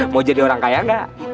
mau jadi orang kaya gak